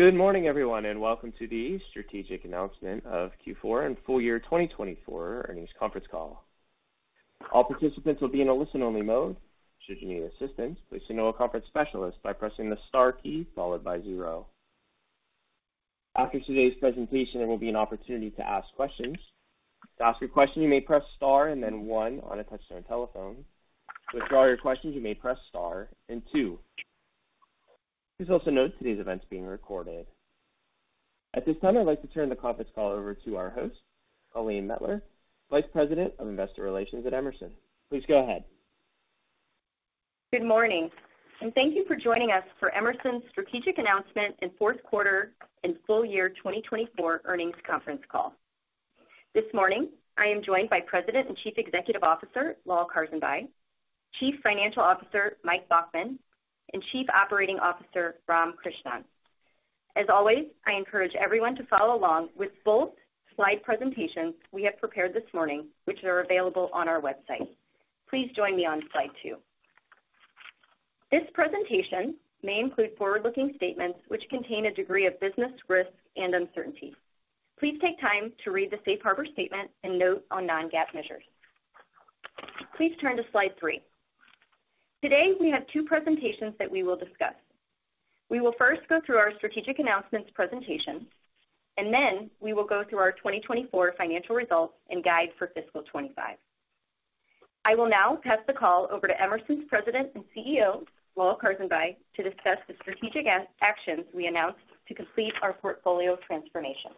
Good morning, everyone, and welcome to the strategic announcement of Q4 and full year 2024 earnings conference call. All participants will be in a listen-only mode. Should you need assistance, please signal a conference specialist by pressing the star key followed by zero. After today's presentation, there will be an opportunity to ask questions. To ask a question, you may press star and then one on a touch-tone telephone. To withdraw your questions, you may press star and two. Please also note today's event's being recorded. At this time, I'd like to turn the conference call over to our host, Colleen Mettler, Vice President of Investor Relations at Emerson. Please go ahead. Good morning, and thank you for joining us for Emerson's strategic announcement and fourth quarter and full year 2024 earnings conference call. This morning, I am joined by President and Chief Executive Officer Lal Karsanbhai, Chief Financial Officer Mike Baughman, and Chief Operating Officer Ram Krishnan. As always, I encourage everyone to follow along with both slide presentations we have prepared this morning, which are available on our website. Please join me on slide two. This presentation may include forward-looking statements which contain a degree of business risk and uncertainty. Please take time to read the Safe Harbor statement and note on non-GAAP measures. Please turn to slide three. Today, we have two presentations that we will discuss. We will first go through our strategic announcements presentation, and then we will go through our 2024 financial results and guide for fiscal 25. I will now pass the call over to Emerson's President and CEO, Lal Karsanbhai, to discuss the strategic actions we announced to complete our portfolio transformation.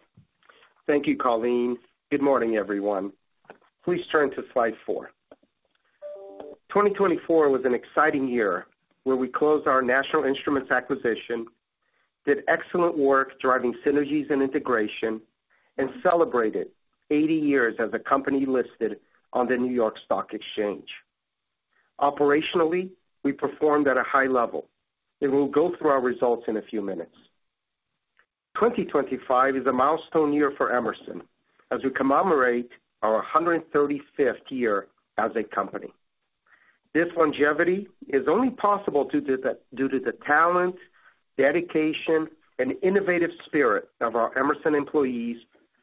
Thank you, Colleen. Good morning, everyone. Please turn to slide four. 2024 was an exciting year where we closed our National Instruments acquisition, did excellent work driving synergies and integration, and celebrated 80 years as a company listed on the New York Stock Exchange. Operationally, we performed at a high level. We will go through our results in a few minutes. 2025 is a milestone year for Emerson as we commemorate our 135th year as a company. This longevity is only possible due to the talent, dedication, and innovative spirit of our Emerson employees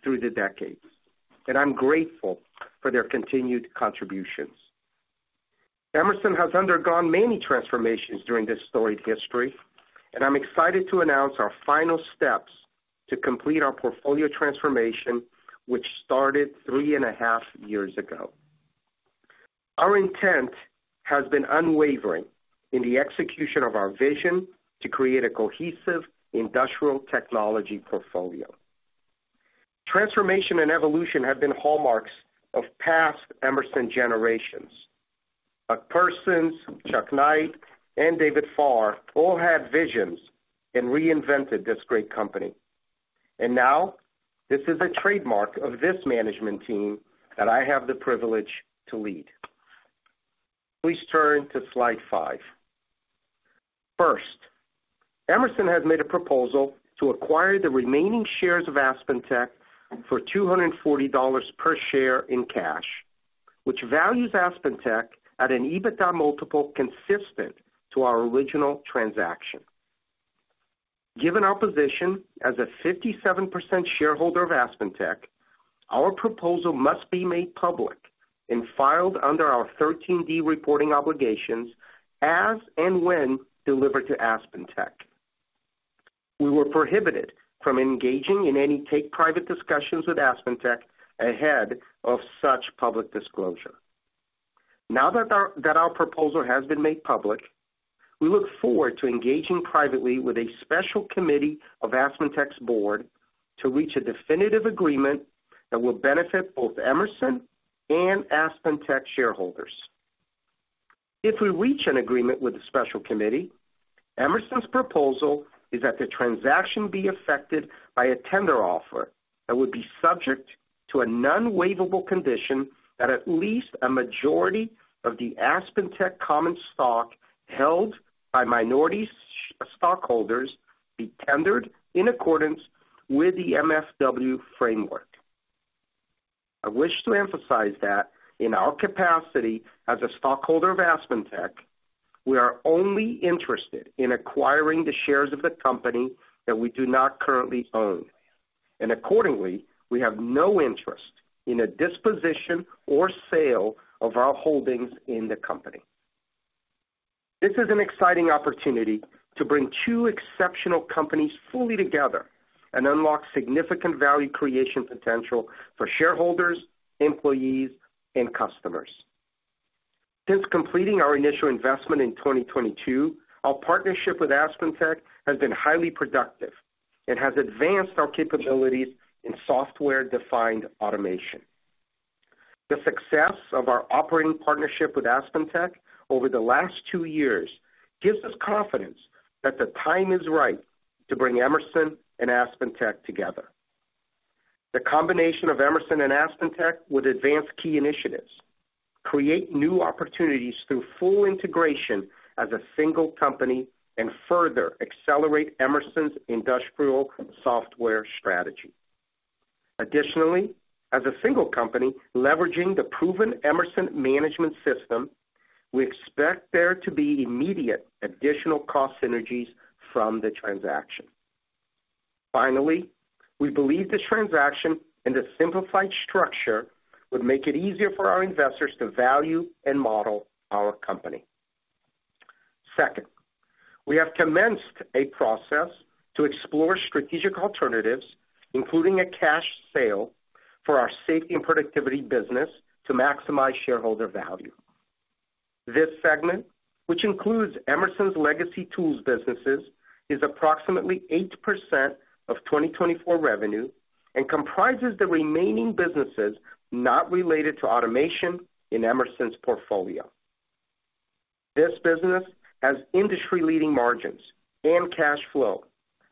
through the decades, and I'm grateful for their continued contributions. Emerson has undergone many transformations during this storied history, and I'm excited to announce our final steps to complete our portfolio transformation, which started three and a half years ago. Our intent has been unwavering in the execution of our vision to create a cohesive industrial technology portfolio. Transformation and evolution have been hallmarks of past Emerson generations. Buck Persons, Chuck Knight, and David Farr all had visions and reinvented this great company. And now, this is a trademark of this management team that I have the privilege to lead. Please turn to slide five. First, Emerson has made a proposal to acquire the remaining shares of Aspen Technology for $240 per share in cash, which values Aspen Technology at an EBITDA multiple consistent to our original transaction. Given our position as a 57% shareholder of Aspen Technology, our proposal must be made public and filed under our 13D reporting obligations as and when delivered to Aspen Technology. We were prohibited from engaging in any take-private discussions with Aspen Technology ahead of such public disclosure. Now that our proposal has been made public, we look forward to engaging privately with a special committee of AspenTech's board to reach a definitive agreement that will benefit both Emerson and AspenTech shareholders. If we reach an agreement with the special committee, Emerson's proposal is that the transaction be effected by a tender offer that would be subject to a non-waivable condition that at least a majority of the AspenTech common stock held by minority stockholders be tendered in accordance with the MFW framework. I wish to emphasize that in our capacity as a stockholder of AspenTech, we are only interested in acquiring the shares of the company that we do not currently own, and accordingly, we have no interest in a disposition or sale of our holdings in the company. This is an exciting opportunity to bring two exceptional companies fully together and unlock significant value creation potential for shareholders, employees, and customers. Since completing our initial investment in 2022, our partnership with AspenTech has been highly productive and has advanced our capabilities in software-defined automation. The success of our operating partnership with AspenTech over the last two years gives us confidence that the time is right to bring Emerson and AspenTech together. The combination of Emerson and AspenTech would advance key initiatives, create new opportunities through full integration as a single company, and further accelerate Emerson's industrial software strategy. Additionally, as a single company leveraging the proven Emerson management system, we expect there to be immediate additional cost synergies from the transaction. Finally, we believe this transaction and the simplified structure would make it easier for our investors to value and model our company. Second, we have commenced a process to explore strategic alternatives, including a cash sale for our Safety & Productivity business to maximize shareholder value. This segment, which includes Emerson's legacy tools businesses, is approximately 8% of 2024 revenue and comprises the remaining businesses not related to automation in Emerson's portfolio. This business has industry-leading margins and cash flow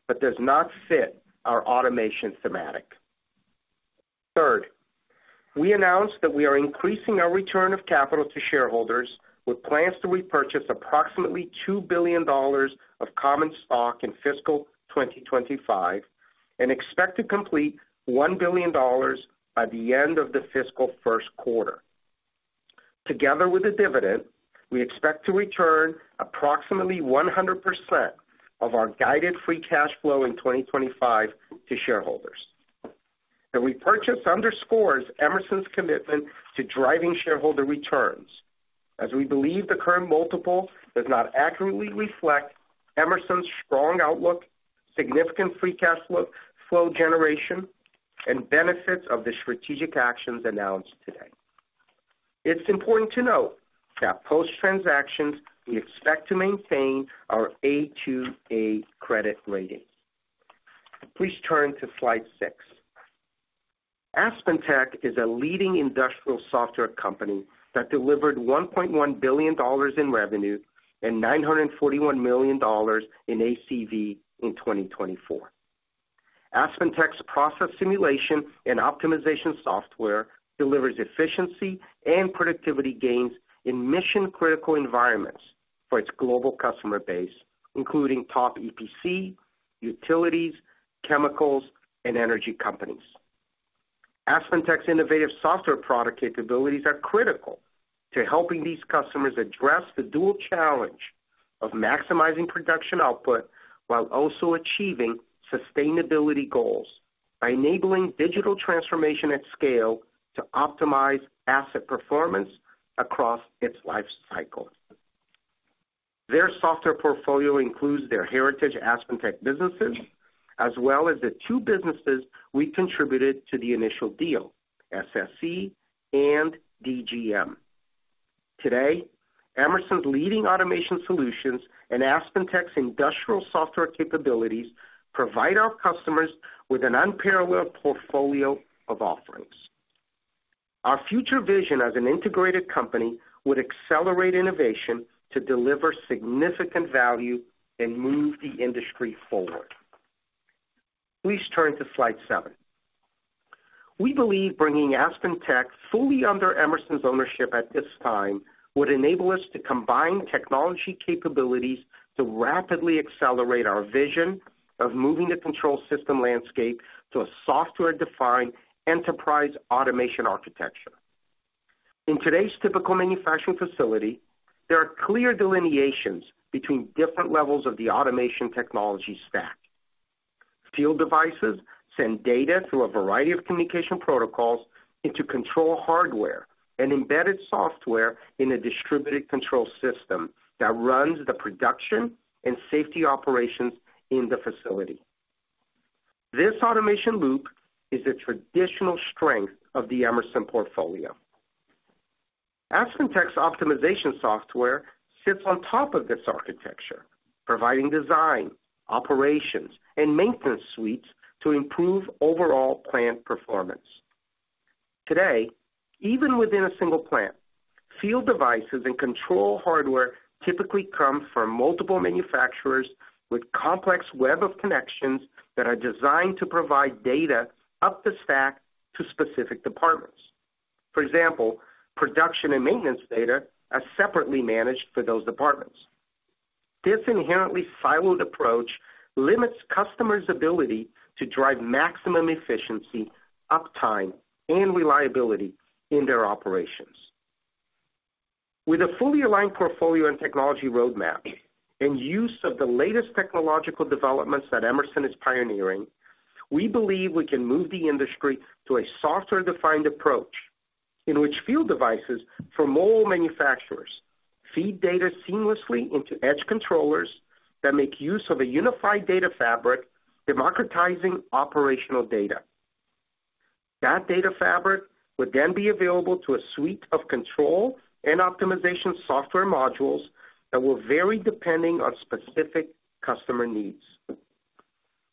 but does not fit our automation thematic. Third, we announced that we are increasing our return of capital to shareholders with plans to repurchase approximately $2 billion of common stock in fiscal 2025 and expect to complete $1 billion by the end of the fiscal first quarter. Together with the dividend, we expect to return approximately 100% of our guided free cash flow in 2025 to shareholders. The repurchase underscores Emerson's commitment to driving shareholder returns as we believe the current multiple does not accurately reflect Emerson's strong outlook, significant free cash flow generation, and benefits of the strategic actions announced today. It's important to note that post-transactions, we expect to maintain our A2/A credit rating. Please turn to slide six. AspenTech is a leading industrial software company that delivered $1.1 billion in revenue and $941 million in ACV in 2024. AspenTech's process simulation and optimization software delivers efficiency and productivity gains in mission-critical environments for its global customer base, including top EPC, utilities, chemicals, and energy companies. AspenTech's innovative software product capabilities are critical to helping these customers address the dual challenge of maximizing production output while also achieving sustainability goals by enabling digital transformation at scale to optimize asset performance across its lifecycle. Their software portfolio includes their heritage AspenTech businesses as well as the two businesses we contributed to the initial deal, SSE and DGM. Today, Emerson's leading automation solutions and AspenTech's industrial software capabilities provide our customers with an unparalleled portfolio of offerings. Our future vision as an integrated company would accelerate innovation to deliver significant value and move the industry forward. Please turn to slide seven. We believe bringing AspenTech fully under Emerson's ownership at this time would enable us to combine technology capabilities to rapidly accelerate our vision of moving the control system landscape to a software-defined enterprise automation architecture. In today's typical manufacturing facility, there are clear delineations between different levels of the automation technology stack. Field devices send data through a variety of communication protocols into control hardware and embedded software in a distributed control system that runs the production and safety operations in the facility. This automation loop is a traditional strength of the Emerson portfolio. AspenTech's optimization software sits on top of this architecture, providing design, operations, and maintenance suites to improve overall plant performance. Today, even within a single plant, field devices and control hardware typically come from multiple manufacturers with complex web of connections that are designed to provide data up the stack to specific departments. For example, production and maintenance data are separately managed for those departments. This inherently siloed approach limits customers' ability to drive maximum efficiency, uptime, and reliability in their operations. With a fully aligned portfolio and technology roadmap and use of the latest technological developments that Emerson is pioneering, we believe we can move the industry to a software-defined approach in which field devices from all manufacturers feed data seamlessly into edge controllers that make use of a unified data fabric, democratizing operational data. That data fabric would then be available to a suite of control and optimization software modules that will vary depending on specific customer needs.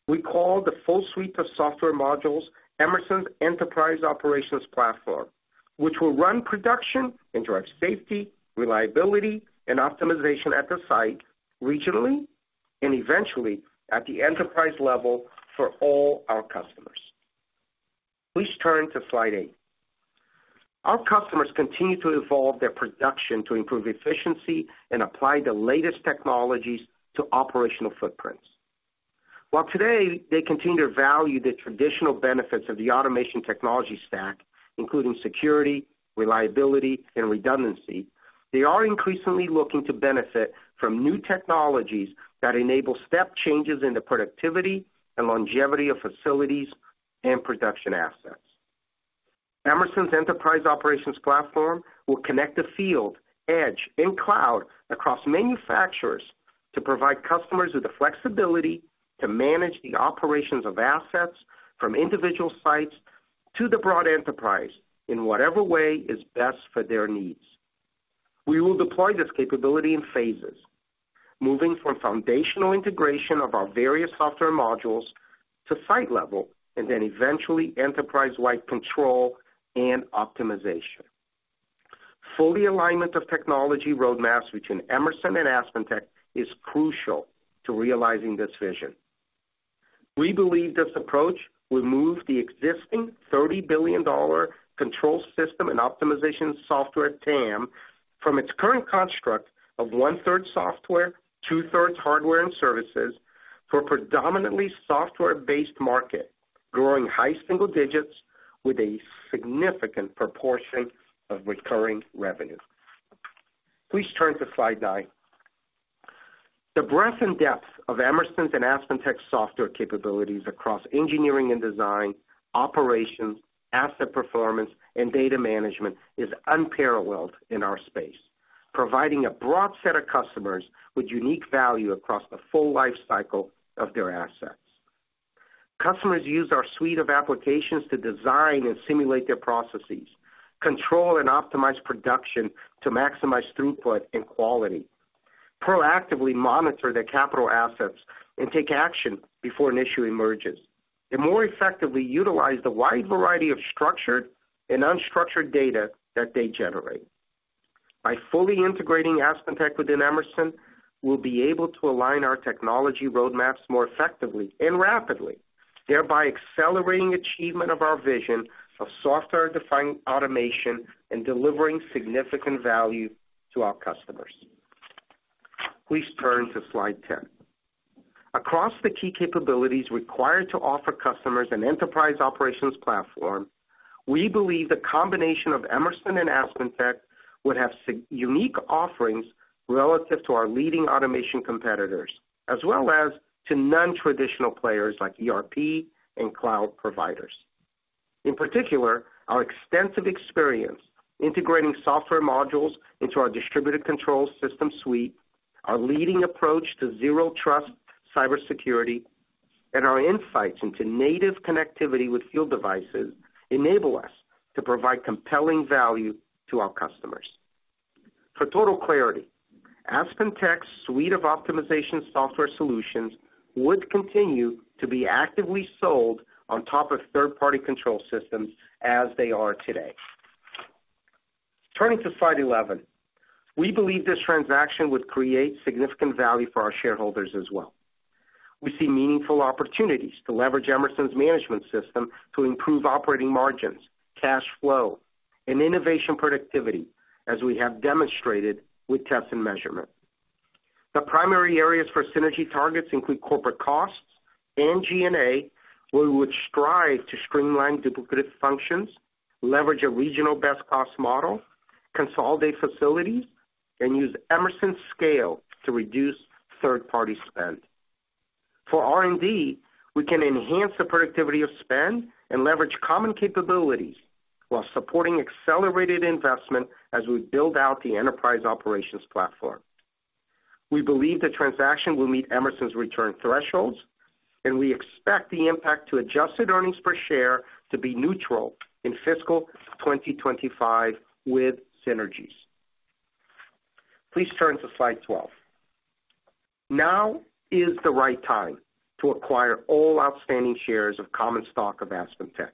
We call the full suite of software modules Emerson's Enterprise Operations Platform, which will run production and drive safety, reliability, and optimization at the site regionally and eventually at the enterprise level for all our customers. Please turn to slide eight. Our customers continue to evolve their production to improve efficiency and apply the latest technologies to operational footprints. While today they continue to value the traditional benefits of the automation technology stack, including security, reliability, and redundancy, they are increasingly looking to benefit from new technologies that enable step changes in the productivity and longevity of facilities and production assets. Emerson's Enterprise Operations Platform will connect the field, edge, and cloud across manufacturers to provide customers with the flexibility to manage the operations of assets from individual sites to the broad enterprise in whatever way is best for their needs. We will deploy this capability in phases, moving from foundational integration of our various software modules to site level and then eventually enterprise-wide control and optimization. Full alignment of technology roadmaps between Emerson and AspenTech is crucial to realizing this vision. We believe this approach will move the existing $30 billion control system and optimization software TAM from its current construct of one-third software, two-thirds hardware and services to a predominantly software-based market, growing high single digits with a significant proportion of recurring revenue. Please turn to slide nine. The breadth and depth of Emerson's and AspenTech's software capabilities across engineering and design, operations, asset performance, and data management is unparalleled in our space, providing a broad set of customers with unique value across the full lifecycle of their assets. Customers use our suite of applications to design and simulate their processes, control and optimize production to maximize throughput and quality, proactively monitor their capital assets, and take action before an issue emerges, and more effectively utilize the wide variety of structured and unstructured data that they generate. By fully integrating AspenTech within Emerson, we'll be able to align our technology roadmaps more effectively and rapidly, thereby accelerating achievement of our vision of software-defined automation and delivering significant value to our customers. Please turn to slide 10. Across the key capabilities required to offer customers an enterprise operations platform, we believe the combination of Emerson and AspenTech would have unique offerings relative to our leading automation competitors, as well as to non-traditional players like ERP and cloud providers. In particular, our extensive experience integrating software modules into our distributed control system suite, our leading approach to zero-trust cybersecurity, and our insights into native connectivity with field devices enable us to provide compelling value to our customers. For total clarity, AspenTech's suite of optimization software solutions would continue to be actively sold on top of third-party control systems as they are today. Turning to slide 11, we believe this transaction would create significant value for our shareholders as well. We see meaningful opportunities to leverage Emerson's management system to improve operating margins, cash flow, and innovation productivity as we have demonstrated with Test & Measurement. The primary areas for synergy targets include corporate costs and G&A, where we would strive to streamline duplicative functions, leverage a regional best-cost model, consolidate facilities, and use Emerson scale to reduce third-party spend. For R&D, we can enhance the productivity of spend and leverage common capabilities while supporting accelerated investment as we build out the Enterprise Operations Platform. We believe the transaction will meet Emerson's return thresholds, and we expect the impact to adjusted earnings per share to be neutral in fiscal 2025 with synergies. Please turn to slide 12. Now is the right time to acquire all outstanding shares of common stock of AspenTech.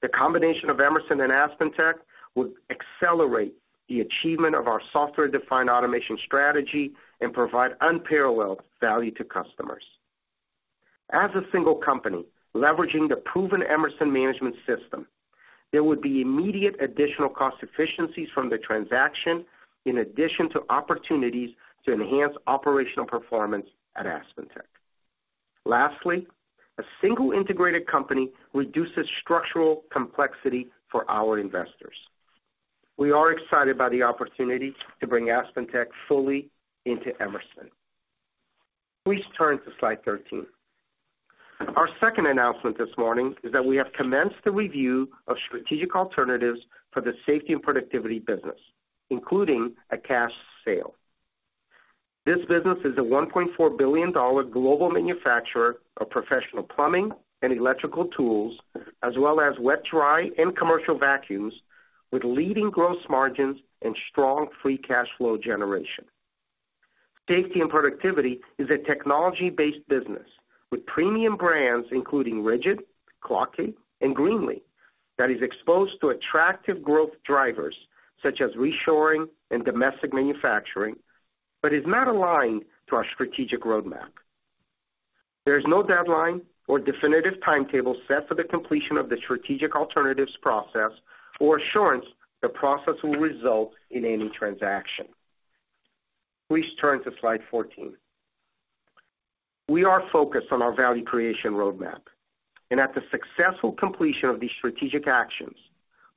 The combination of Emerson and AspenTech would accelerate the achievement of our software-defined automation strategy and provide unparalleled value to customers. As a single company leveraging the proven Emerson management system, there would be immediate additional cost efficiencies from the transaction in addition to opportunities to enhance operational performance at AspenTech. Lastly, a single integrated company reduces structural complexity for our investors. We are excited by the opportunity to bring AspenTech fully into Emerson. Please turn to slide 13. Our second announcement this morning is that we have commenced the review of strategic alternatives for the Safety & Productivity business, including a cash sale. This business is a $1.4 billion global manufacturer of professional plumbing and electrical tools, as well as wet, dry, and commercial vacuums with leading gross margins and strong free cash flow generation. Safety & Productivity is a technology-based business with premium brands including RIDGID, Klauke, and Greenlee that is exposed to attractive growth drivers such as reshoring and domestic manufacturing but is not aligned to our strategic roadmap. There is no deadline or definitive timetable set for the completion of the strategic alternatives process or assurance the process will result in any transaction. Please turn to slide 14. We are focused on our value creation roadmap, and at the successful completion of these strategic actions,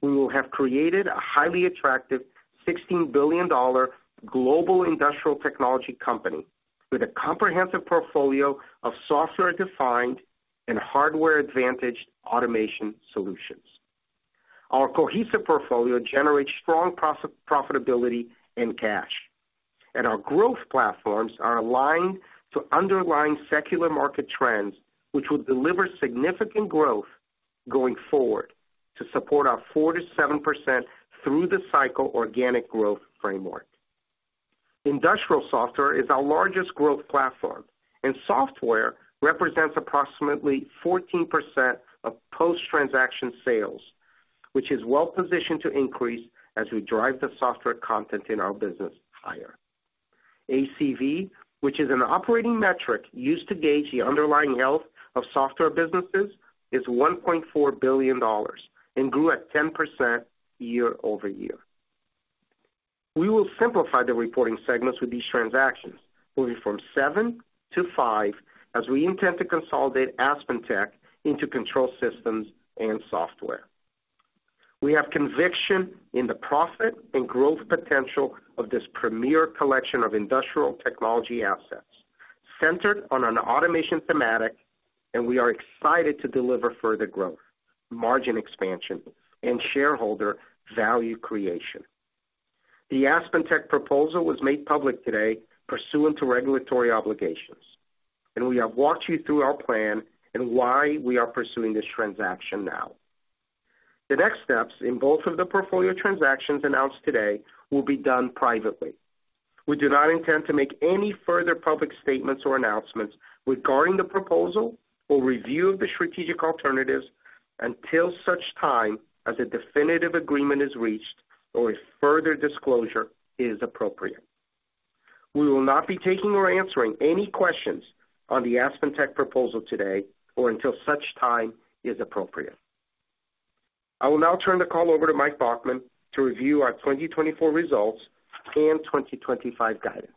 we will have created a highly attractive $16 billion global industrial technology company with a comprehensive portfolio of software-defined and hardware-advantaged automation solutions. Our cohesive portfolio generates strong profitability and cash, and our growth platforms are aligned to underlying secular market trends, which will deliver significant growth going forward to support our 4%-7% through-the-cycle organic growth framework. Industrial software is our largest growth platform, and software represents approximately 14% of post-transaction sales, which is well-positioned to increase as we drive the software content in our business higher. ACV, which is an operating metric used to gauge the underlying health of software businesses, is $1.4 billion and grew at 10% year-over-year. We will simplify the reporting segments with these transactions, moving from seven to five as we intend to consolidate AspenTech into control systems and software. We have conviction in the profit and growth potential of this premier collection of industrial technology assets centered on an automation thematic, and we are excited to deliver further growth, margin expansion, and shareholder value creation. The AspenTech proposal was made public today pursuant to regulatory obligations, and we have walked you through our plan and why we are pursuing this transaction now. The next steps in both of the portfolio transactions announced today will be done privately. We do not intend to make any further public statements or announcements regarding the proposal or review of the strategic alternatives until such time as a definitive agreement is reached or a further disclosure is appropriate. We will not be taking or answering any questions on the AspenTech proposal today or until such time is appropriate. I will now turn the call over to Mike Baughman to review our 2024 results and 2025 guidance.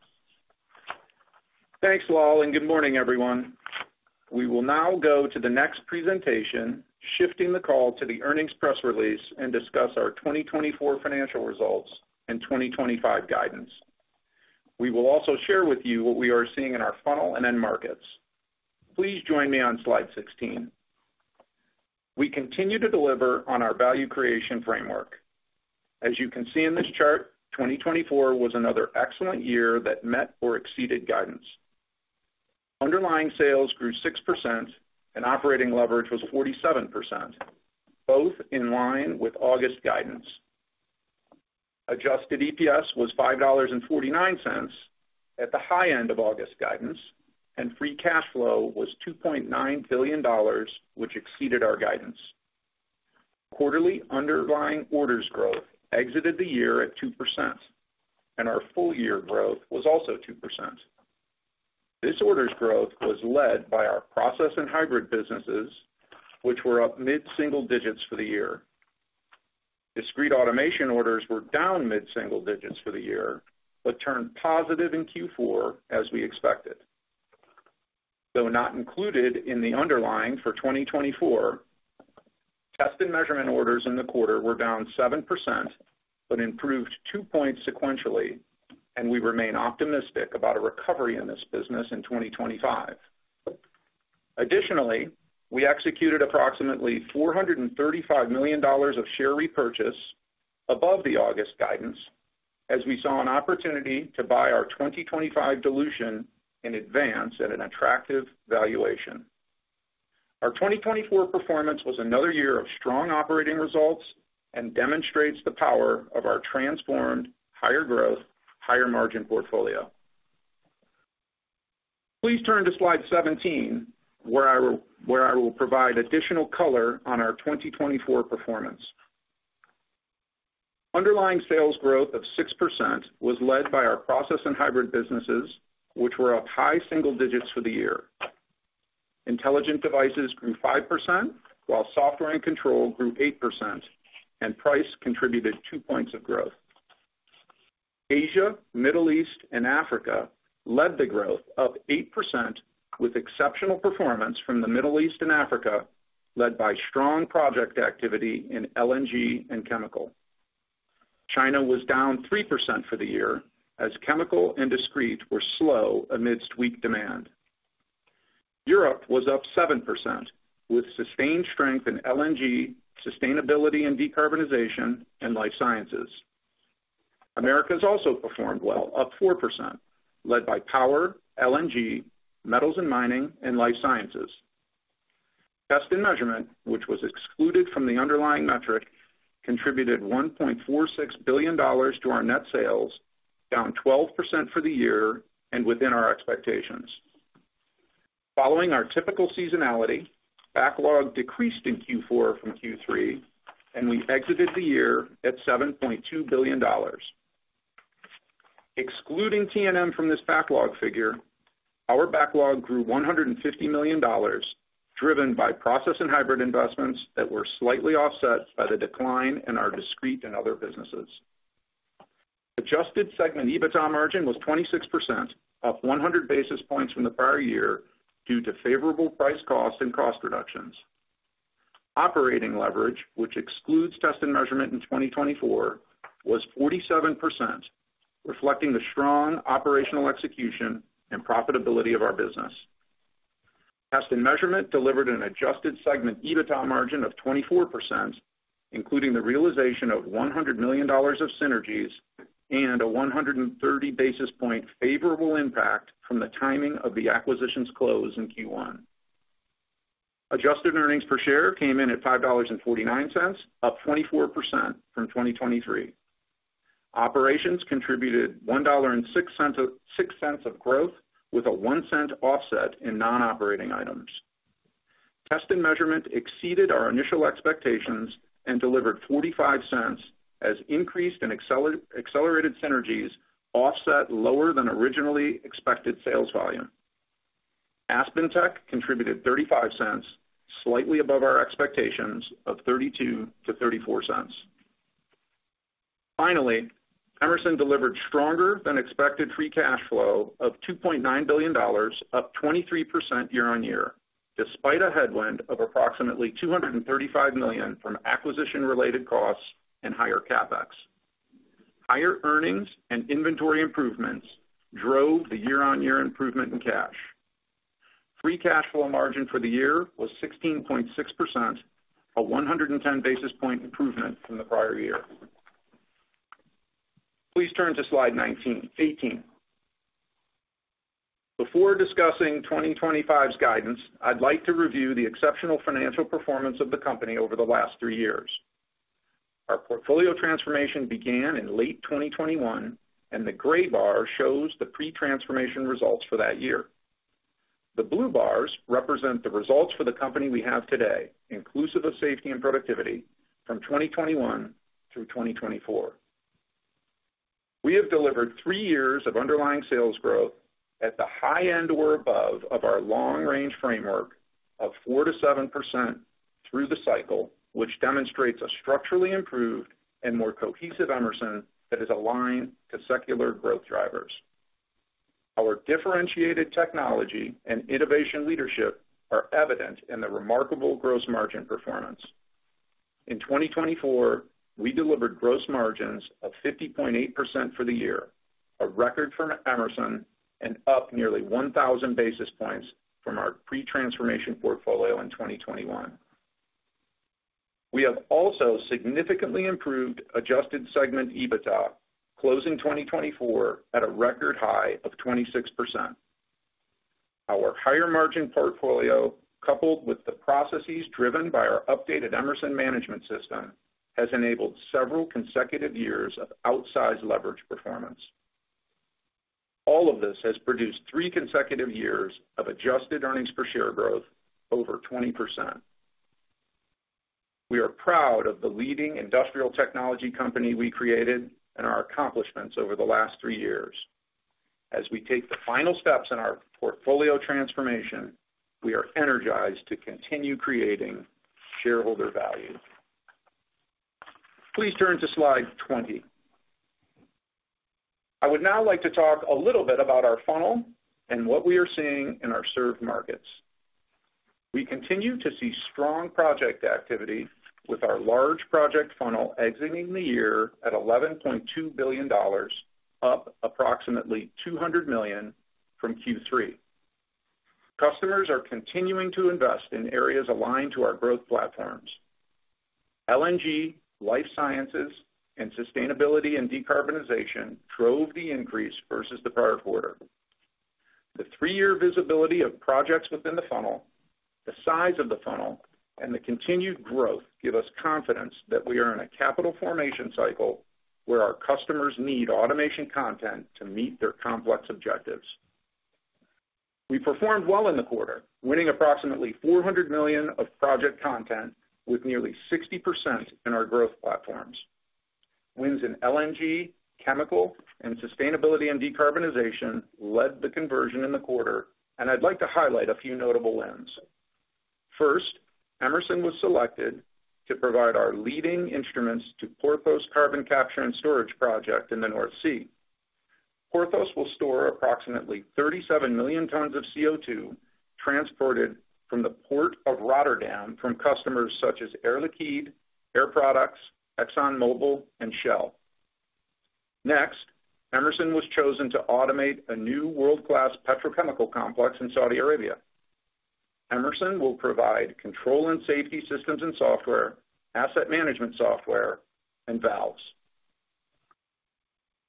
Thanks, Lal, and good morning, everyone. We will now go to the next presentation, shifting the call to the earnings press release and discuss our 2024 financial results and 2025 guidance. We will also share with you what we are seeing in our funnel and end markets. Please join me on slide 16. We continue to deliver on our value creation framework. As you can see in this chart, 2024 was another excellent year that met or exceeded guidance. Underlying sales grew 6%, and operating leverage was 47%, both in line with August guidance. Adjusted EPS was $5.49 at the high end of August guidance, and free cash flow was $2.9 billion, which exceeded our guidance. Quarterly underlying orders growth exited the year at 2%, and our full-year growth was also 2%. This orders growth was led by our process and hybrid businesses, which were up mid-single digits for the year. Discrete Automation orders were down mid-single digits for the year but turned positive in Q4 as we expected. Though not included in the underlying for 2024, Test & Measurement orders in the quarter were down 7% but improved 2 points sequentially, and we remain optimistic about a recovery in this business in 2025. Additionally, we executed approximately $435 million of share repurchase above the August guidance, as we saw an opportunity to buy our 2025 dilution in advance at an attractive valuation. Our 2024 performance was another year of strong operating results and demonstrates the power of our transformed, higher growth, higher margin portfolio. Please turn to slide 17, where I will provide additional color on our 2024 performance. Underlying sales growth of 6% was led by our process and hybrid businesses, which were up high single digits for the year. Intelligent Devices grew 5%, while Software and Control grew 8%, and price contributed 2 points of growth. Asia, Middle East, and Africa led the growth up 8% with exceptional performance from the Middle East and Africa, led by strong project activity in LNG and chemical. China was down 3% for the year as chemical and discrete were slow amidst weak demand. Europe was up 7% with sustained strength in LNG, sustainability and decarbonization, and life sciences. Americas also performed well, up 4%, led by power, LNG, metals and mining, and life sciences. Test & Measurement, which was excluded from the underlying metric, contributed $1.46 billion to our net sales, down 12% for the year and within our expectations. Following our typical seasonality, backlog decreased in Q4 from Q3, and we exited the year at $7.2 billion. Excluding T&M from this backlog figure, our backlog grew $150 million, driven by process and hybrid investments that were slightly offset by the decline in our discrete and other businesses. Adjusted segment EBITDA margin was 26%, up 100 basis points from the prior year due to favorable price costs and cost reductions. Operating leverage, which excludes Test & Measurement in 2024, was 47%, reflecting the strong operational execution and profitability of our business. Test & Measurement delivered an adjusted segment EBITDA margin of 24%, including the realization of $100 million of synergies and a 130 basis point favorable impact from the timing of the acquisition's close in Q1. Adjusted earnings per share came in at $5.49, up 24% from 2023. Operations contributed $1.06 of growth with a $0.01 offset in non-operating items. Test & Measurement exceeded our initial expectations and delivered $0.45 as increased and accelerated synergies offset lower than originally expected sales volume. Aspen Technology contributed $0.35, slightly above our expectations of $0.32-$0.34. Finally, Emerson delivered stronger than expected free cash flow of $2.9 billion, up 23% year on year, despite a headwind of approximately $235 million from acquisition-related costs and higher CapEx. Higher earnings and inventory improvements drove the year-on-year improvement in cash. Free cash flow margin for the year was 16.6%, a 110 basis point improvement from the prior year. Please turn to slide 18. Before discussing 2025's guidance, I'd like to review the exceptional financial performance of the company over the last three years. Our portfolio transformation began in late 2021, and the gray bar shows the pre-transformation results for that year. The blue bars represent the results for the company we have today, inclusive of Safety & Productivity from 2021 through 2024. We have delivered three years of underlying sales growth at the high end or above of our long-range framework of 4%-7% through the cycle, which demonstrates a structurally improved and more cohesive Emerson that is aligned to secular growth drivers. Our differentiated technology and innovation leadership are evident in the remarkable gross margin performance. In 2024, we delivered gross margins of 50.8% for the year, a record from Emerson, and up nearly 1,000 basis points from our pre-transformation portfolio in 2021. We have also significantly improved adjusted segment EBITDA, closing 2024 at a record high of 26%. Our higher margin portfolio, coupled with the processes driven by our updated Emerson management system, has enabled several consecutive years of outsized leverage performance. All of this has produced three consecutive years of adjusted earnings per share growth over 20%. We are proud of the leading industrial technology company we created and our accomplishments over the last three years. As we take the final steps in our portfolio transformation, we are energized to continue creating shareholder value. Please turn to slide 20. I would now like to talk a little bit about our funnel and what we are seeing in our served markets. We continue to see strong project activity with our large project funnel exiting the year at $11.2 billion, up approximately $200 million from Q3. Customers are continuing to invest in areas aligned to our growth platforms. LNG, life sciences, and sustainability and decarbonization drove the increase versus the prior quarter. The three-year visibility of projects within the funnel, the size of the funnel, and the continued growth give us confidence that we are in a capital formation cycle where our customers need automation content to meet their complex objectives. We performed well in the quarter, winning approximately $400 million of project content with nearly 60% in our growth platforms. Wins in LNG, chemical, and sustainability and decarbonization led the conversion in the quarter, and I'd like to highlight a few notable wins. First, Emerson was selected to provide our leading instruments to Porthos Carbon Capture and Storage project in the North Sea. Porthos will store approximately 37 million tons of CO2 transported from the Port of Rotterdam from customers such as Air Liquide, Air Products, ExxonMobil, and Shell. Next, Emerson was chosen to automate a new world-class petrochemical complex in Saudi Arabia. Emerson will provide control and safety systems and software, asset management software, and valves.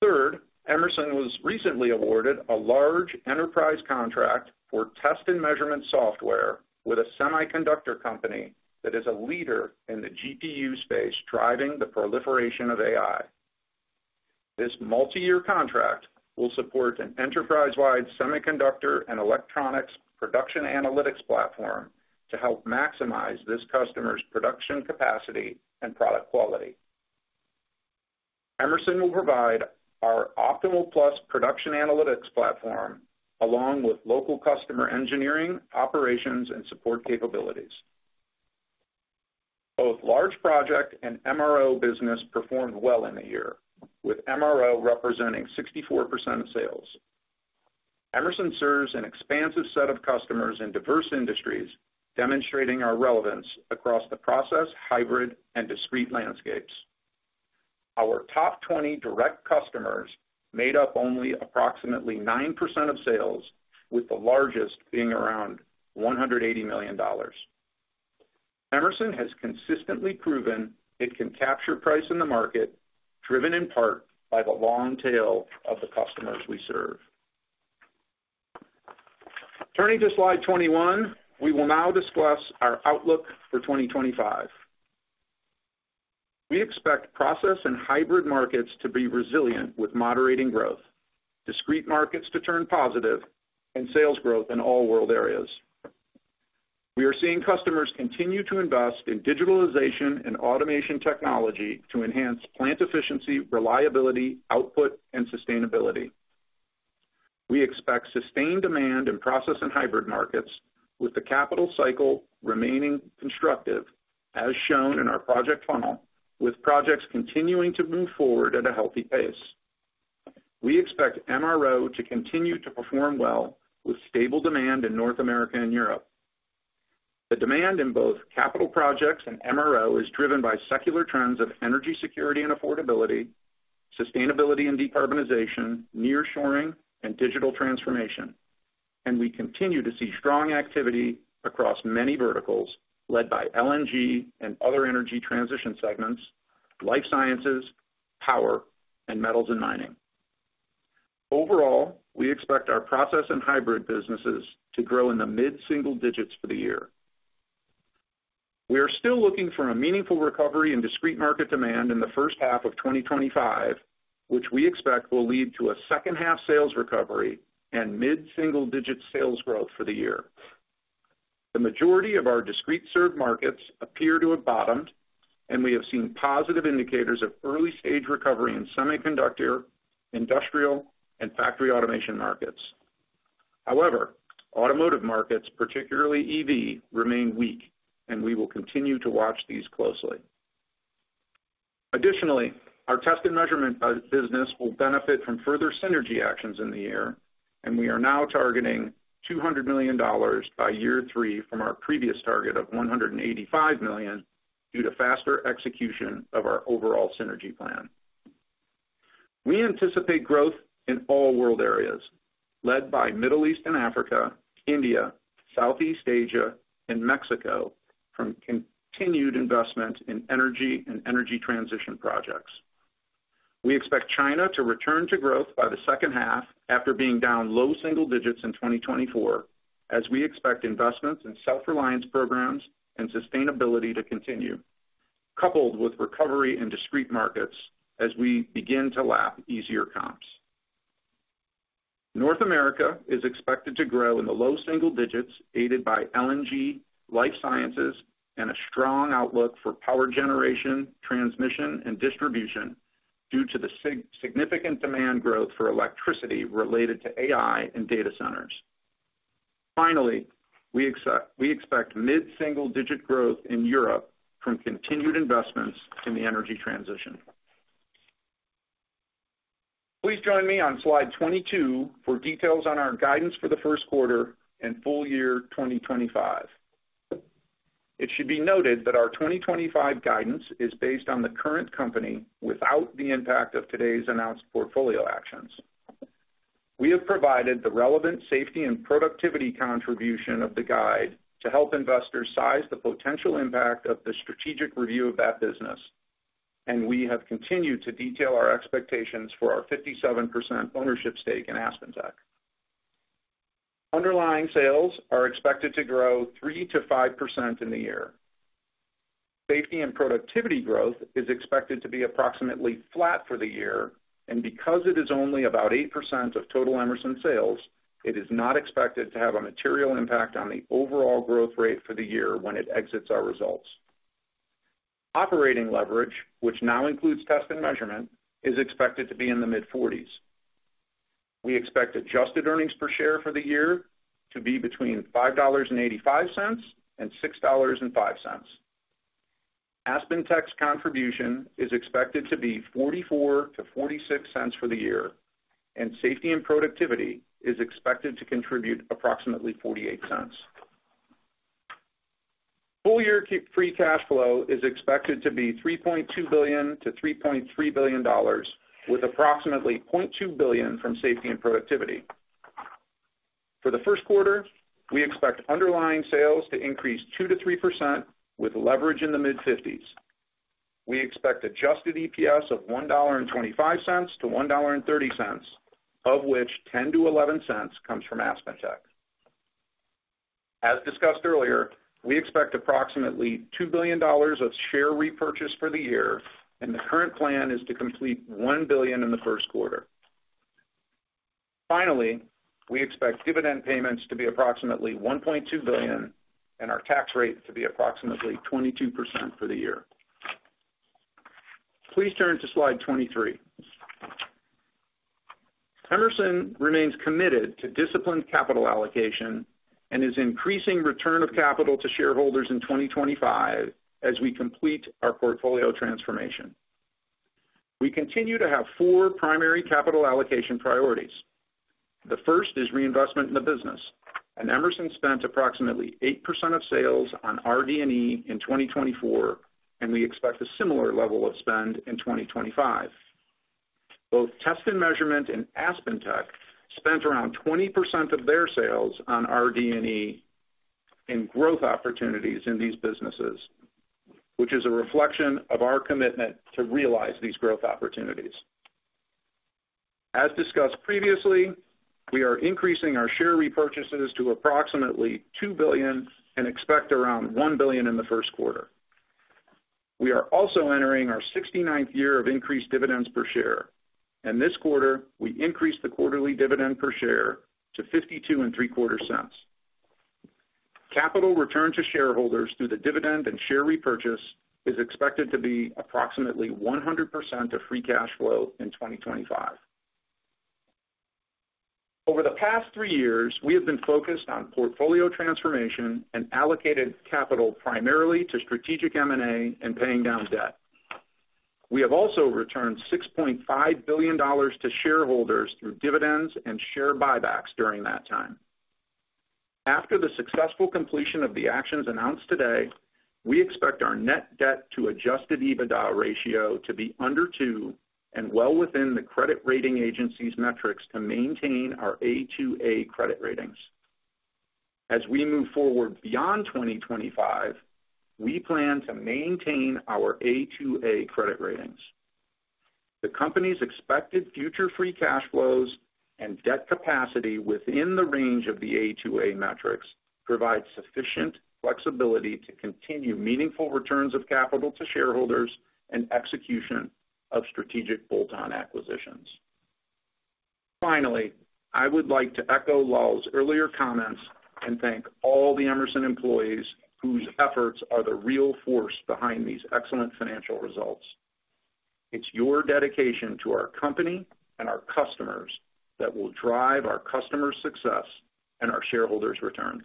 Third, Emerson was recently awarded a large enterprise contract for Test & Measurement software with a semiconductor company that is a leader in the GPU space, driving the proliferation of AI. This multi-year contract will support an enterprise-wide semiconductor and electronics production analytics platform to help maximize this customer's production capacity and product quality. Emerson will provide our OptimalPlus production analytics platform along with local customer engineering, operations, and support capabilities. Both large project and MRO business performed well in the year, with MRO representing 64% of sales. Emerson serves an expansive set of customers in diverse industries, demonstrating our relevance across the process, hybrid, and discrete landscapes. Our top 20 direct customers made up only approximately 9% of sales, with the largest being around $180 million. Emerson has consistently proven it can capture price in the market, driven in part by the long tail of the customers we serve. Turning to slide 21, we will now discuss our outlook for 2025. We expect process and hybrid markets to be resilient with moderating growth, discrete markets to turn positive, and sales growth in all world areas. We are seeing customers continue to invest in digitalization and automation technology to enhance plant efficiency, reliability, output, and sustainability. We expect sustained demand in process and hybrid markets, with the capital cycle remaining constructive, as shown in our project funnel, with projects continuing to move forward at a healthy pace. We expect MRO to continue to perform well with stable demand in North America and Europe. The demand in both capital projects and MRO is driven by secular trends of energy security and affordability, sustainability and decarbonization, nearshoring, and digital transformation, and we continue to see strong activity across many verticals led by LNG and other energy transition segments, life sciences, power, and metals and mining. Overall, we expect our process and hybrid businesses to grow in the mid-single digits for the year. We are still looking for a meaningful recovery in discrete market demand in the first half of 2025, which we expect will lead to a second-half sales recovery and mid-single digit sales growth for the year. The majority of our discrete served markets appear to have bottomed, and we have seen positive indicators of early-stage recovery in semiconductor, industrial, and factory automation markets. However, automotive markets, particularly EV, remain weak, and we will continue to watch these closely. Additionally, our Test & Measurement business will benefit from further synergy actions in the year, and we are now targeting $200 million by year three from our previous target of $185 million due to faster execution of our overall synergy plan. We anticipate growth in all world areas, led by Middle East and Africa, India, Southeast Asia, and Mexico, from continued investment in energy and energy transition projects. We expect China to return to growth by the second half after being down low single digits in 2024, as we expect investments in self-reliance programs and sustainability to continue, coupled with recovery in discrete markets as we begin to lap easier comps. North America is expected to grow in the low single digits, aided by LNG, life sciences, and a strong outlook for power generation, transmission, and distribution due to the significant demand growth for electricity related to AI and data centers. Finally, we expect mid-single digit growth in Europe from continued investments in the energy transition. Please join me on slide 22 for details on our guidance for the first quarter and full year 2025. It should be noted that our 2025 guidance is based on the current company without the impact of today's announced portfolio actions. We have provided the relevant Safety & Productivity contribution of the guidance to help investors size the potential impact of the strategic review of that business, and we have continued to detail our expectations for our 57% ownership stake in AspenTech. Underlying sales are expected to grow 3%-5% in the year. Safety & Productivity growth is expected to be approximately flat for the year, and because it is only about 8% of total Emerson sales, it is not expected to have a material impact on the overall growth rate for the year when it exits our results. Operating leverage, which now includes Test & Measurement, is expected to be in the mid-40s. We expect adjusted earnings per share for the year to be between $5.85 and $6.05. AspenTech's contribution is expected to be $0.44-$0.46 for the year, and Safety & Productivity is expected to contribute approximately $0.48. Full-year free cash flow is expected to be $3.2 billion-$3.3 billion, with approximately $0.2 billion from Safety & Productivity. For the first quarter, we expect underlying sales to increase 2%-3% with leverage in the mid-50s%. We expect adjusted EPS of $1.25-$1.30, of which $0.10-$0.11 comes from AspenTech. As discussed earlier, we expect approximately $2 billion of share repurchase for the year, and the current plan is to complete $1 billion in the first quarter. Finally, we expect dividend payments to be approximately $1.2 billion and our tax rate to be approximately 22% for the year. Please turn to slide 23. Emerson remains committed to disciplined capital allocation and is increasing return of capital to shareholders in 2025 as we complete our portfolio transformation. We continue to have four primary capital allocation priorities. The first is reinvestment in the business. Emerson spent approximately eight% of sales on RD&E in 2024, and we expect a similar level of spend in 2025. Both Test & Measurement and AspenTech spent around 20% of their sales on RD&E in growth opportunities in these businesses, which is a reflection of our commitment to realize these growth opportunities. As discussed previously, we are increasing our share repurchases to approximately $2 billion and expect around $1 billion in the first quarter. We are also entering our 69th year of increased dividends per share, and this quarter we increased the quarterly dividend per share to $0.5275. Capital return to shareholders through the dividend and share repurchase is expected to be approximately 100% of free cash flow in 2025. Over the past three years, we have been focused on portfolio transformation and allocated capital primarily to strategic M&A and paying down debt. We have also returned $6.5 billion to shareholders through dividends and share buybacks during that time. After the successful completion of the actions announced today, we expect our net debt to adjusted EBITDA ratio to be under 2 and well within the credit rating agency's metrics to maintain our A2/A credit ratings. As we move forward beyond 2025, we plan to maintain our A2/A credit ratings. The company's expected future free cash flows and debt capacity within the range of the A2/A metrics provide sufficient flexibility to continue meaningful returns of capital to shareholders and execution of strategic bolt-on acquisitions. Finally, I would like to echo Lal's earlier comments and thank all the Emerson employees whose efforts are the real force behind these excellent financial results. It's your dedication to our company and our customers that will drive our customers' success and our shareholders' returns.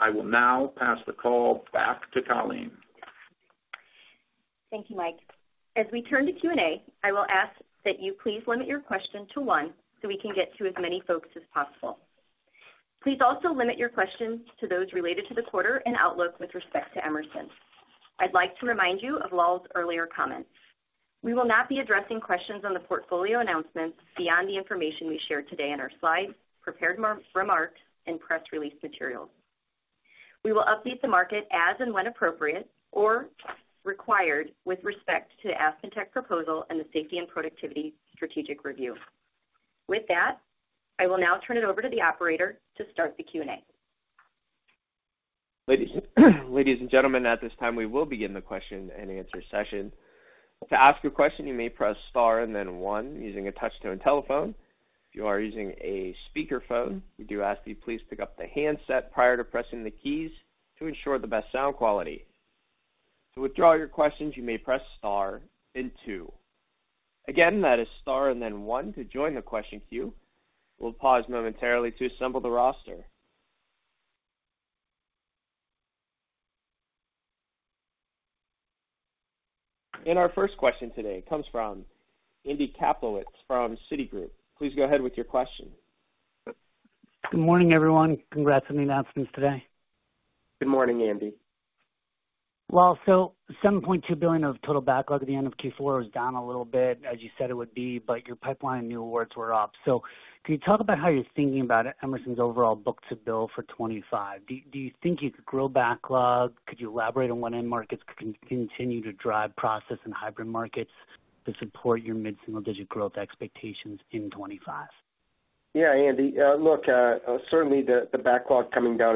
I will now pass the call back to Colleen. Thank you, Mike. As we turn to Q&A, I will ask that you please limit your question to one so we can get to as many folks as possible. Please also limit your questions to those related to the quarter and outlook with respect to Emerson. I'd like to remind you of Lal's earlier comments. We will not be addressing questions on the portfolio announcements beyond the information we shared today in our slides, prepared remarks, and press release materials. We will update the market as and when appropriate or required with respect to the AspenTech proposal and the Safety & Productivity strategic review. With that, I will now turn it over to the operator to start the Q&A. Ladies and gentlemen, at this time, we will begin the question and answer session. To ask a question, you may press star and then one using a touch-tone telephone. If you are using a speakerphone, we do ask that you please pick up the handset prior to pressing the keys to ensure the best sound quality. To withdraw your questions, you may press star and two. Again, that is star and then one to join the question queue. We'll pause momentarily to assemble the roster. In our first question today, it comes from Andy Kaplowitz from Citigroup. Please go ahead with your question. Good morning, everyone. Congrats on the announcements today. Good morning, Andy. Lal, so $7.2 billion of total backlog at the end of Q4 was down a little bit, as you said it would be, but your pipeline and new awards were up. So can you talk about how you're thinking about Emerson's overall book to bill for 2025? Do you think you could grow backlog? Could you elaborate on when end markets could continue to drive process and hybrid markets to support your mid-single digit growth expectations in 2025? Yeah, Andy. Look, certainly the backlog coming down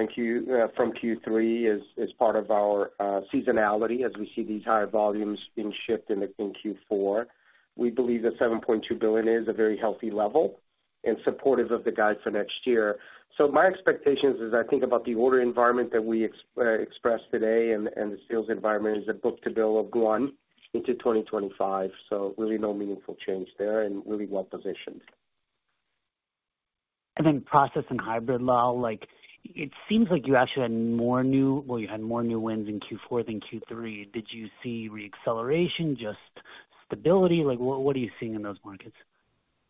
from Q3 is part of our seasonality as we see these high volumes being shifted in Q4. We believe that $7.2 billion is a very healthy level and supportive of the guide for next year. So my expectation is, as I think about the order environment that we expressed today and the sales environment, is a book to bill of one into 2025. So really no meaningful change there and really well positioned. Then process and hybrid, Lal, it seems like you actually had more new, well, you had more new wins in Q4 than Q3. Did you see reacceleration, just stability? What are you seeing in those markets?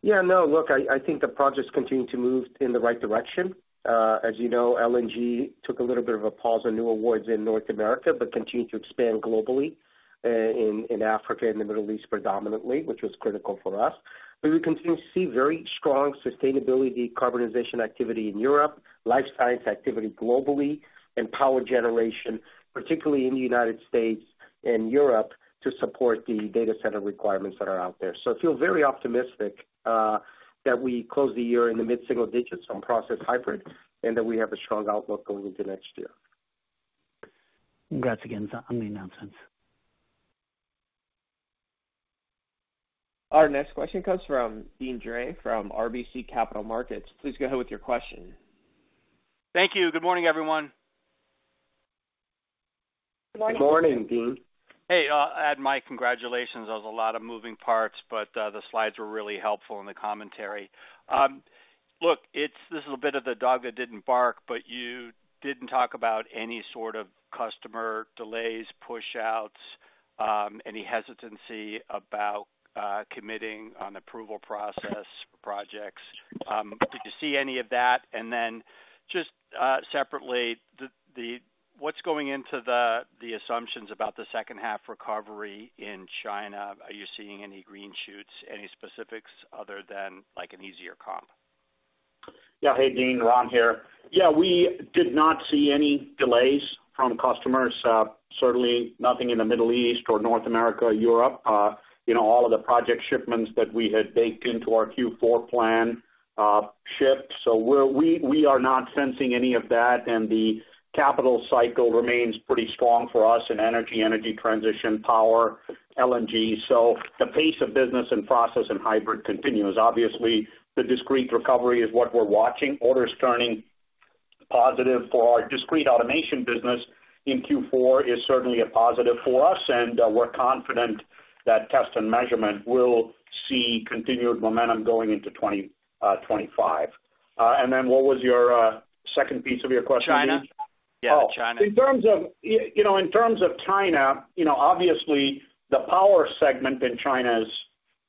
Yeah, no, look, I think the projects continue to move in the right direction. As you know, LNG took a little bit of a pause on new awards in North America but continued to expand globally in Africa and the Middle East predominantly, which was critical for us. But we continue to see very strong sustainability decarbonization activity in Europe, life science activity globally, and power generation, particularly in the United States and Europe to support the data center requirements that are out there. So I feel very optimistic that we close the year in the mid-single digits on process hybrid and that we have a strong outlook going into next year. Congrats again on the announcements. Our next question comes from Deane Dray from RBC Capital Markets. Please go ahead with your question. Thank you. Good morning, everyone. Good morning. Good morning, Deane. Hey, Mike, congratulations. That was a lot of moving parts, but the slides were really helpful in the commentary. Look, this is a bit of the dog that didn't bark, but you didn't talk about any sort of customer delays, push-outs, any hesitancy about committing on approval process for projects. Did you see any of that? And then just separately, what's going into the assumptions about the second half recovery in China? Are you seeing any green shoots, any specifics other than an easier comp? Yeah, hey, Deane, Ram here. Yeah, we did not see any delays from customers, certainly nothing in the Middle East or North America or Europe. All of the project shipments that we had baked into our Q4 plan shipped. So we are not sensing any of that, and the capital cycle remains pretty strong for us in energy, energy transition, power, LNG. So the pace of business and process and hybrid continues. Obviously, the discrete recovery is what we're watching. Orders turning positive for our Discrete Automation business in Q4 is certainly a positive for us, and we're confident that Test & Measurement will see continued momentum going into 2025. And then what was your second piece of your question? China. Yeah, China. In terms of China, obviously the power segment in China is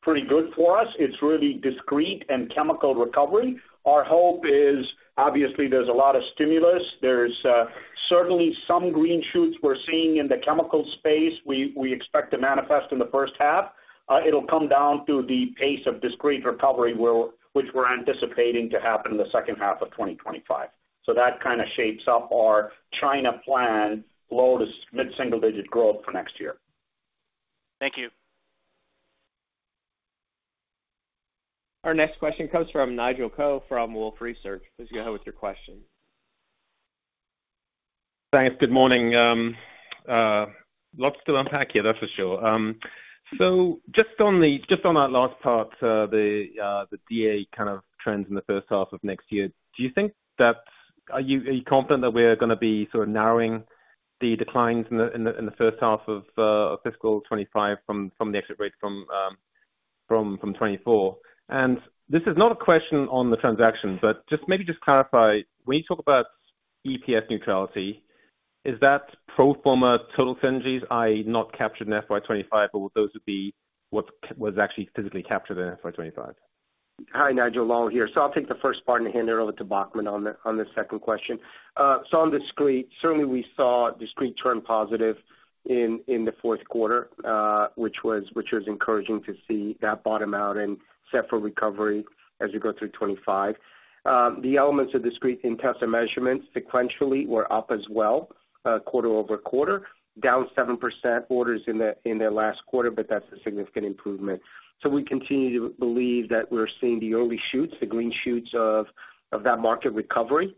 pretty good for us. It's really discrete and chemical recovery. Our hope is, obviously, there's a lot of stimulus. There's certainly some green shoots we're seeing in the chemical space we expect to manifest in the first half. It'll come down to the pace of discrete recovery, which we're anticipating to happen in the second half of 2025. So that kind of shapes up our China plan, low- to mid-single-digit growth for next year. Thank you. Our next question comes from Nigel Coe from Wolfe Research. Please go ahead with your question. Thanks. Good morning. Lots to unpack here, that's for sure. So just on that last part, the DA kind of trends in the first half of next year, do you think that are you confident that we're going to be sort of narrowing the declines in the first half of fiscal 2025 from the exit rate from 2024? This is not a question on the transaction, but just maybe just clarify. When you talk about EPS neutrality, is that pro forma total synergies, i.e., not captured in FY 2025, or those would be what was actually physically captured in FY 2025? Hi, Nigel. Lal here. So I'll take the first part and hand it over to Baughman on the second question. So on discrete, certainly we saw discrete turn positive in the fourth quarter, which was encouraging to see that bottom out and set for recovery as we go through 2025. The elements of discrete in Test & Measurement sequentially were up as well, quarter over quarter, down 7% orders in the last quarter, but that's a significant improvement. So we continue to believe that we're seeing the early shoots, the green shoots of that market recovery,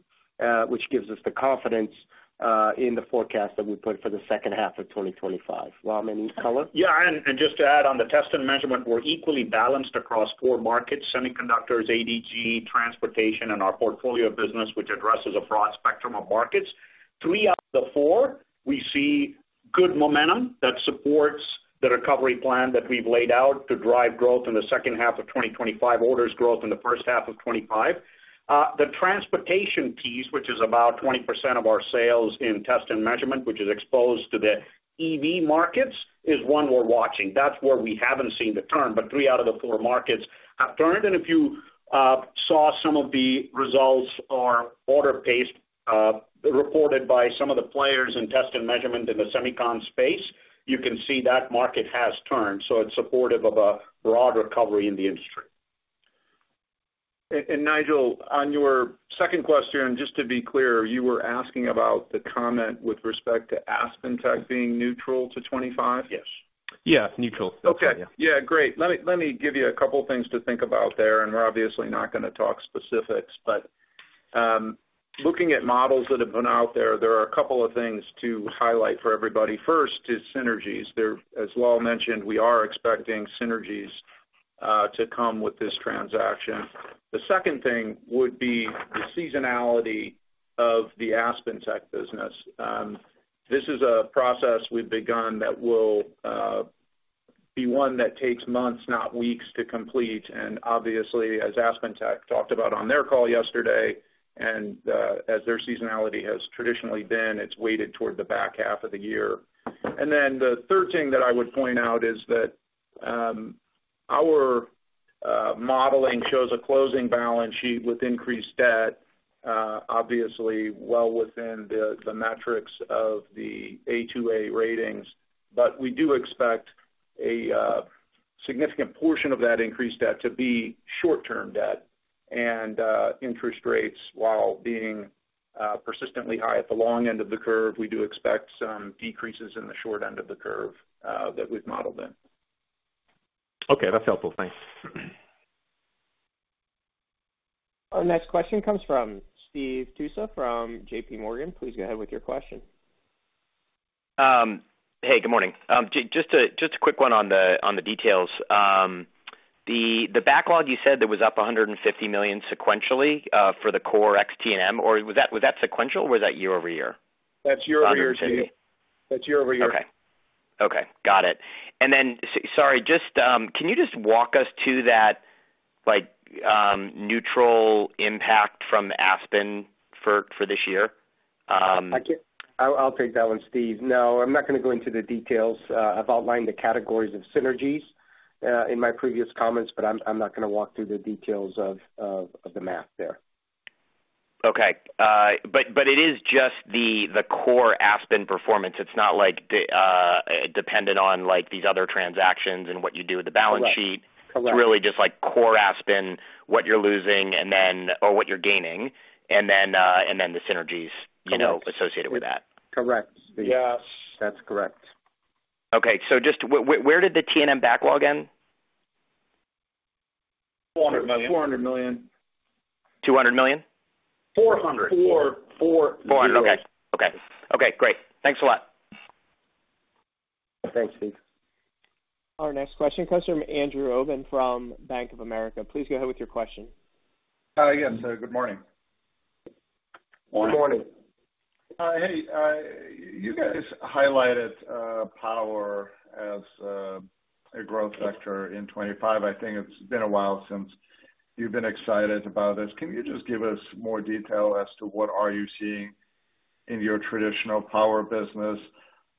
which gives us the confidence in the forecast that we put for the second half of 2025. Ram, any color? Yeah, and just to add on the Test & Measurement, we're equally balanced across four markets: semiconductors, ADG, transportation, and our portfolio business, which addresses a broad spectrum of markets. Three out of the four, we see good momentum that supports the recovery plan that we've laid out to drive growth in the second half of 2025, orders growth in the first half of 2025. The transportation piece, which is about 20% of our sales in Test & Measurement, which is exposed to the EV markets, is one we're watching. That's where we haven't seen the turn, but three out of the four markets have turned. If you saw some of the results or order pace reported by some of the players in Test & Measurement in the semiconductor space, you can see that market has turned. So it's supportive of a broad recovery in the industry. And Nigel, on your second question, just to be clear, you were asking about the comment with respect to AspenTech being neutral to 2025? Yes. Yeah, neutral. That's right. Okay. Yeah, great. Let me give you a couple of things to think about there, and we're obviously not going to talk specifics, but looking at models that have been out there, there are a couple of things to highlight for everybody. First is synergies. As Lal mentioned, we are expecting synergies to come with this transaction. The second thing would be the seasonality of the AspenTech business. This is a process we've begun that will be one that takes months, not weeks, to complete. And obviously, as AspenTech talked about on their call yesterday, and as their seasonality has traditionally been, it's weighted toward the back half of the year. And then the third thing that I would point out is that our modeling shows a closing balance sheet with increased debt, obviously well within the metrics of the A2/A ratings, but we do expect a significant portion of that increased debt to be short-term debt. And interest rates, while being persistently high at the long end of the curve, we do expect some decreases in the short end of the curve that we've modeled in. Okay, that's helpful. Thanks. Our next question comes from Steve Tusa from JPMorgan. Please go ahead with your question. Hey, good morning. Just a quick one on the details. The backlog you said that was up $150 million sequentially for the core ex-T&M, or was that sequential, or was that year-over-year? That's year-over-year. That's year-over-year. Okay. Okay. Got it. And then, sorry, can you just walk us to that neutral impact from Aspen for this year? I'll take that one, Steve. No, I'm not going to go into the details. I've outlined the categories of synergies in my previous comments, but I'm not going to walk through the details of the math there. Okay. But it is just the core Aspen performance. It's not dependent on these other transactions and what you do with the balance sheet. It's really just core Aspen, what you're losing, or what you're gaining, and then the synergies associated with that. Correct. Yes, that's correct. Okay. So just where did the T&M backlog end? $400 million. $200 million? $400 million Okay. Great. Thanks a lot. Thanks, Steve. Our next question comes from Andrew Obin from Bank of America. Please go ahead with your question. Yes, good morning. Good morning. Hey, you guys highlighted power as a growth factor in 2025. I think it's been a while since you've been excited about this. Can you just give us more detail as to what are you seeing in your traditional power business?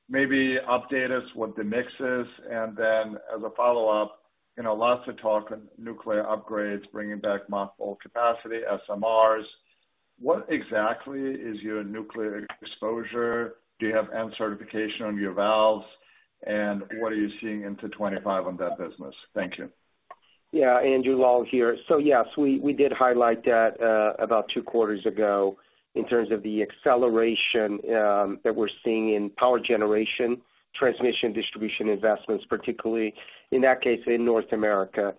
Maybe update us what the mix is. And then as a follow-up, lots of talk on nuclear upgrades, bringing back multiple capacity, SMRs. What exactly is your nuclear exposure? Do you have N certification on your valves? And what are you seeing into 2025 on that business? Thank you. Yeah, Andrew. Lal here. So yes, we did highlight that about two quarters ago in terms of the acceleration that we're seeing in power generation, transmission, distribution investments, particularly in that case in North America,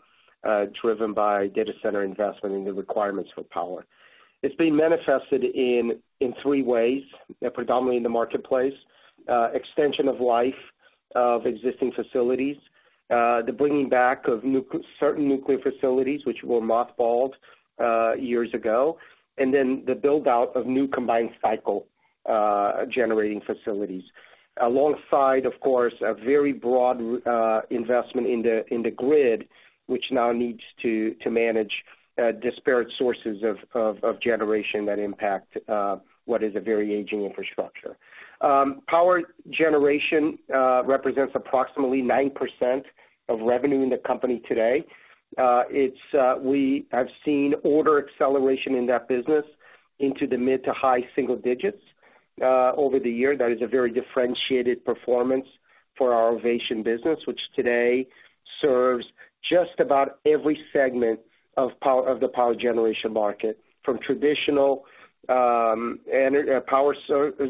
driven by data center investment and the requirements for power. It's been manifested in three ways, predominantly in the marketplace: extension of life of existing facilities, the bringing back of certain nuclear facilities, which were mothballed years ago, and then the buildout of new combined cycle generating facilities, alongside, of course, a very broad investment in the grid, which now needs to manage disparate sources of generation that impact what is a very aging infrastructure. Power generation represents approximately 9% of revenue in the company today. We have seen order acceleration in that business into the mid to high single digits over the year. That is a very differentiated performance for our Ovation business, which today serves just about every segment of the power generation market, from traditional power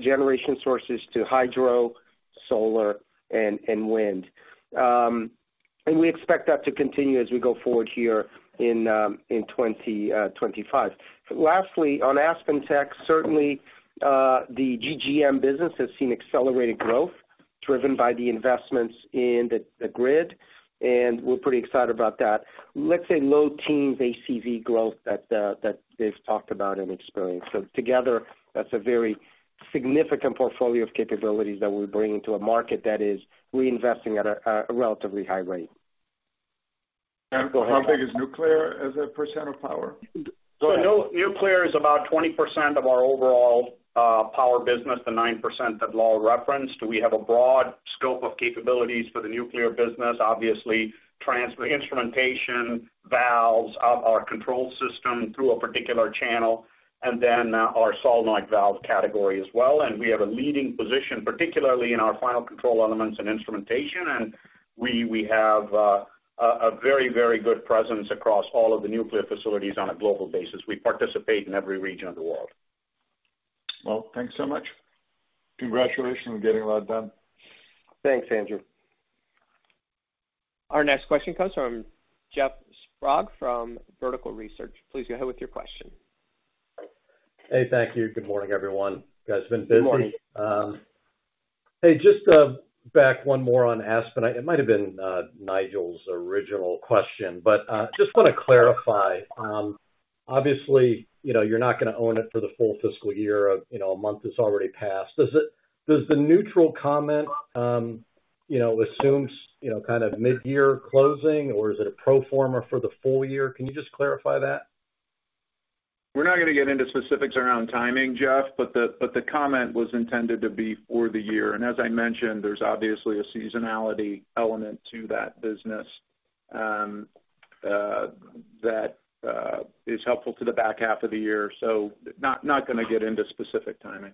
generation sources to hydro, solar, and wind, and we expect that to continue as we go forward here in 2025. Lastly, on AspenTech, certainly the DGM business has seen accelerated growth driven by the investments in the grid, and we're pretty excited about that. Let's say low-teens ACV growth that they've talked about and experienced. So together, that's a very significant portfolio of capabilities that we're bringing to a market that is reinvesting at a relatively high rate. How big is nuclear as a % of power? So nuclear is about 20% of our overall power business, the 9% that Lal referenced. We have a broad scope of capabilities for the nuclear business, obviously instrumentation, valves of our control system through a particular channel, and then our solenoid valve category as well. And we have a leading position, particularly in our final control elements and instrumentation, and we have a very, very good presence across all of the nuclear facilities on a global basis. We participate in every region of the world. Well, thanks so much. Congratulations on getting a lot done. Thanks, Andrew. Our next question comes from Jeff Sprague from Vertical Research Partners. Please go ahead with your question. Hey, thank you. Good morning, everyone. It's been busy. Good morning. Hey, just back one more on Aspen. It might have been Nigel's original question, but just want to clarify. Obviously, you're not going to own it for the full fiscal year. A month has already passed. Does the neutral comment assume kind of mid-year closing, or is it a pro forma for the full year? Can you just clarify that? We're not going to get into specifics around timing, Jeff, but the comment was intended to be for the year, and as I mentioned, there's obviously a seasonality element to that business that is helpful to the back half of the year, so not going to get into specific timing.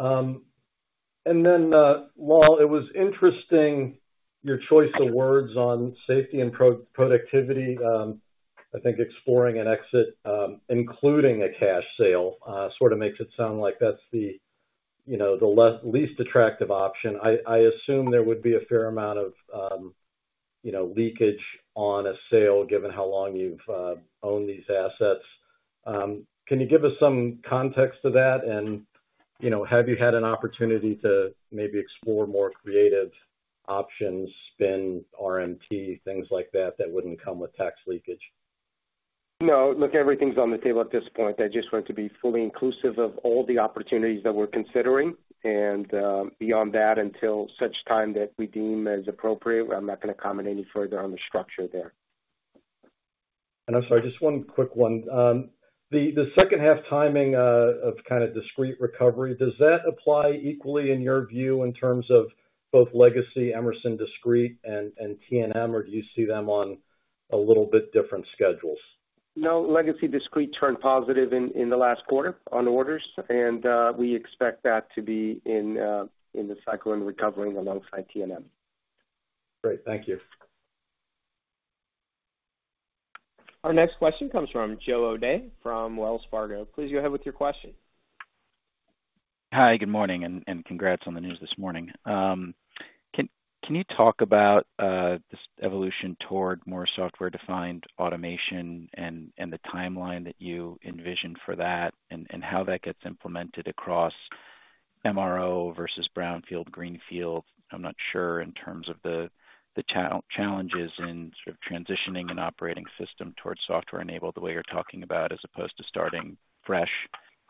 And then, Lal, it was interesting your choice of words on Safety & Productivity. I think exploring an exit, including a cash sale, sort of makes it sound like that's the least attractive option. I assume there would be a fair amount of leakage on a sale, given how long you've owned these assets. Can you give us some context to that? And have you had an opportunity to maybe explore more creative options, spin RMT, things like that, that wouldn't come with tax leakage? No. Look, everything's on the table at this point. I just want to be fully inclusive of all the opportunities that we're considering. And beyond that, until such time that we deem as appropriate, I'm not going to comment any further on the structure there. And I'm sorry, just one quick one. The second-half timing of kind of discrete recovery, does that apply equally in your view in terms of both Legacy Emerson discrete and T&M, or do you see them on a little bit different schedules? No, Legacy discrete turned positive in the last quarter on orders, and we expect that to be in the cycle and recovering alongside T&M. Great. Thank you. Our next question comes from Joe O'Dea from Wells Fargo. Please go ahead with your question. Hi, good morning, and congrats on the news this morning. Can you talk about this evolution toward more software-defined automation and the timeline that you envision for that, and how that gets implemented across MRO versus brownfield, greenfield? I'm not sure in terms of the challenges in sort of transitioning an operating system towards software-enabled the way you're talking about, as opposed to starting fresh.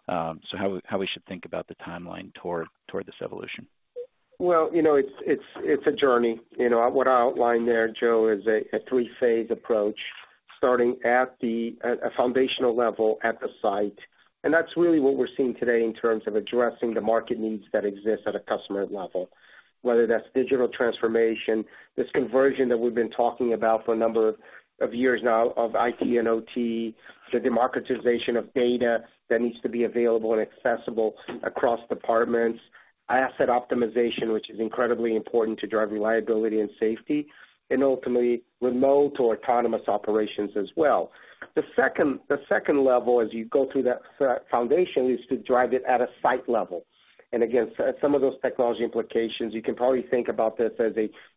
So how we should think about the timeline toward this evolution? Well, it's a journey. What I outlined there, Joe, is a three-phase approach, starting at a foundational level at the site. And that's really what we're seeing today in terms of addressing the market needs that exist at a customer level, whether that's digital transformation, this conversion that we've been talking about for a number of years now of IT and OT, the democratization of data that needs to be available and accessible across departments, asset optimization, which is incredibly important to drive reliability and safety, and ultimately remote or autonomous operations as well. The second level, as you go through that foundation, is to drive it at a site level. And again, some of those technology implications, you can probably think about this as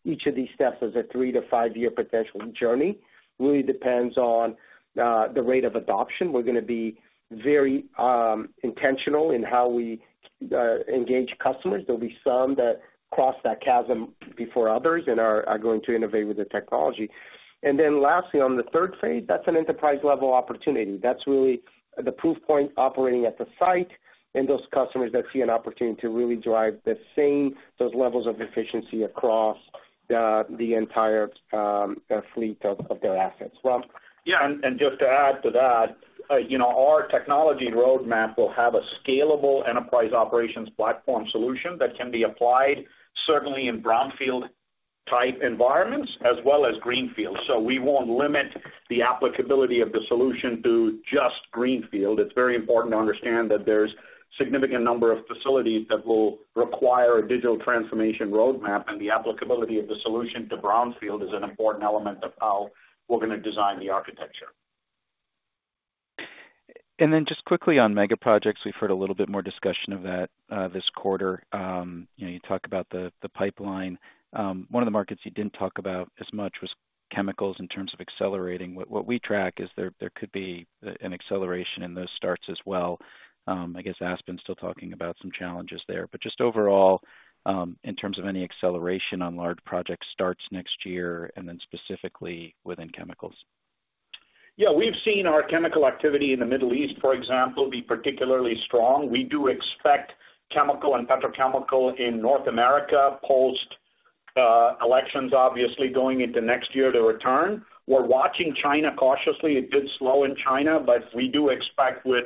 each of these steps as a three- to five-year potential journey. It really depends on the rate of adoption. We're going to be very intentional in how we engage customers. There'll be some that cross that chasm before others and are going to innovate with the technology, and then lastly, on the third phase, that's an enterprise-level opportunity. That's really the proof point operating at the site and those customers that see an opportunity to really drive those levels of efficiency across the entire fleet of their assets. Well, yeah, and just to add to that, our technology roadmap will have a scalable enterprise operations platform solution that can be applied certainly in brownfield-type environments as well as greenfield, so we won't limit the applicability of the solution to just greenfield. It's very important to understand that there's a significant number of facilities that will require a digital transformation roadmap, and the applicability of the solution to brownfield is an important element of how we're going to design the architecture. And then just quickly on mega projects, we've heard a little bit more discussion of that this quarter. You talk about the pipeline. One of the markets you didn't talk about as much was chemicals in terms of accelerating. What we track is there could be an acceleration in those starts as well. I guess Aspen's still talking about some challenges there. But just overall, in terms of any acceleration on large project starts next year, and then specifically within chemicals. Yeah, we've seen our chemical activity in the Middle East, for example, be particularly strong. We do expect chemical and petrochemical in North America post-elections, obviously going into next year to return. We're watching China cautiously. It did slow in China, but we do expect with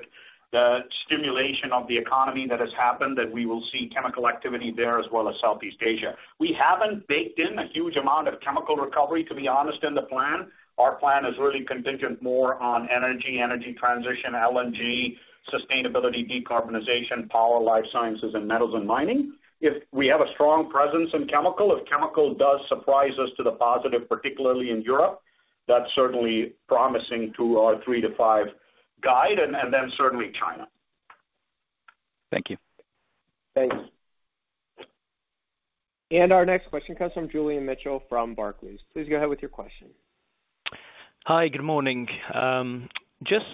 the stimulation of the economy that has happened that we will see chemical activity there as well as Southeast Asia. We haven't baked in a huge amount of chemical recovery, to be honest, in the plan. Our plan is really contingent more on energy, energy transition, LNG, sustainability, decarbonization, power, life sciences, and metals and mining. If we have a strong presence in chemical, if chemical does surprise us to the positive, particularly in Europe, that's certainly promising to our 3%-5% guide, and then certainly China. Thank you. Thanks. And our next question comes from Julian Mitchell with Barclays. Please go ahead with your question. Hi, good morning. Just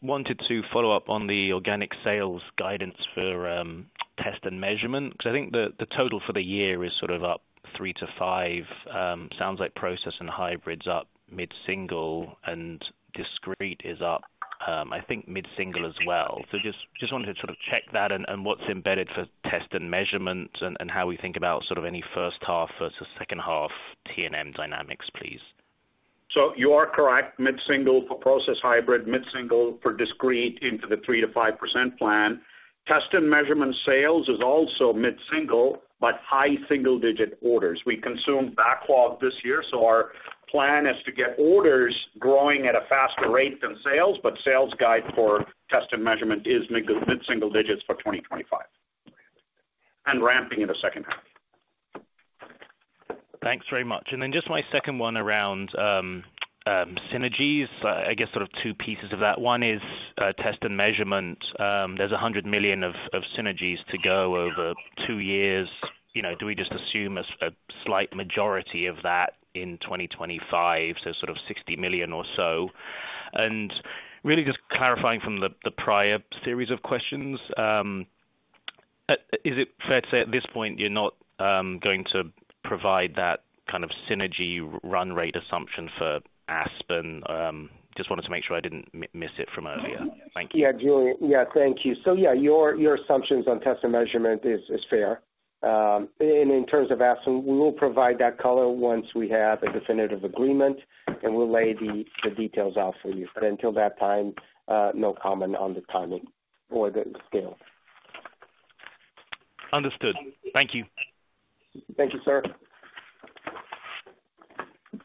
wanted to follow up on the organic sales guidance for Test & Measurement because I think the total for the year is sort of up 3%-5%. Sounds like process and hybrids up mid-single, and discrete is up, I think, mid-single as well. So just wanted to sort of check that and what's embedded for Test & Measurement and how we think about sort of any first half versus second half T&M dynamics, please. So you are correct. Mid-single for process hybrid, mid-single for discrete into the 3%-5% plan. Test & Measurement sales is also mid-single, but high single-digit orders. We consume backlog this year, so our plan is to get orders growing at a faster rate than sales, but sales guide for Test & Measurement is mid-single digits for 2025 and ramping in the second half. Thanks very much. And then just my second one around synergies, I guess sort of two pieces of that. One is Test & Measurement. There's $100 million of synergies to go over two years. Do we just assume a slight majority of that in 2025, so sort of $60 million or so? And really just clarifying from the prior series of questions, is it fair to say at this point you're not going to provide that kind of synergy run rate assumption for Aspen? Just wanted to make sure I didn't miss it from earlier. Thank you. Yeah, Julian. Yeah, thank you. So yeah, your assumptions on Test & Measurement is fair. And in terms of Aspen, we will provide that color once we have a definitive agreement, and we'll lay the details out for you. But until that time, no comment on the timing or the scale. Understood. Thank you. Thank you, sir.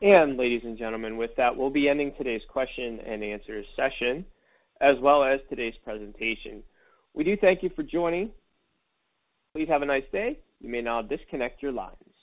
And ladies and gentlemen, with that, we'll be ending today's question and answer session as well as today's presentation. We do thank you for joining. Please have a nice day. You may now disconnect your lines.